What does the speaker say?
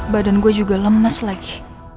badan gue juga lemes lagi